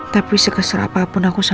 ya makasih banyak ya